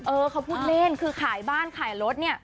เออเขาพูดเล่นคือขายบ้านขายรถเนี่ย